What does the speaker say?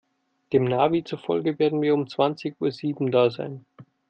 Dem Navi zufolge werden wir um zwanzig Uhr sieben da sein.